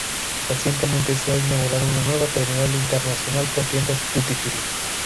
Recientemente se ha inaugurado una nueva terminal internacional con tiendas "duty-free".